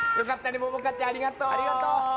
ももかちゃん、ありがとう。